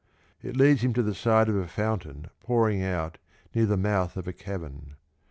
It leads him to the side of a fountain pouring out near the mouth of a cavern.